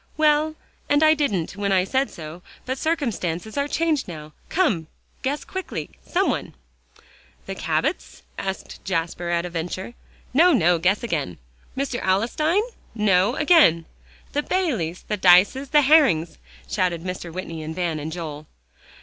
"Well, and I didn't when I said so, but circumstances are changed now come, guess quickly, some one?" "The Cabots," said Jasper at a venture. "No, no; guess again." "Mr. Alstyne?" "No; again." "The Bayleys, the Dyces, the Herrings," shouted Mr. Whitney and Van and Joel.